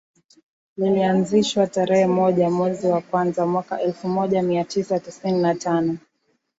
Lilianzishwa tarehe moja mwezi wa kwanza mwaka elfu moja mia tisa tisini na tano